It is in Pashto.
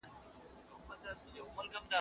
ایا ډاکټر اوږده پاڼه ړنګوي؟